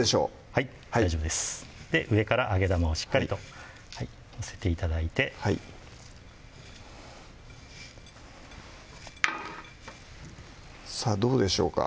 はい大丈夫ですで上から揚げ玉をしっかりと載せて頂いてさぁどうでしょうか？